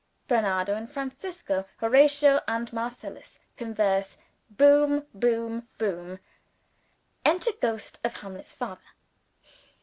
Bernardo and Franciso, Horatio and Marcellus, converse Boom boom boom. "Enter Ghost of Hamlet's Father."